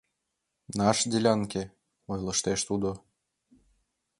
Наш делянке, — ойлыштеш тудо.